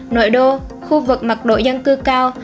nội đô khu vực mặt độ dân cư cao